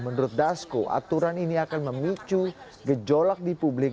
menurut dasko aturan ini akan memicu gejolak di publik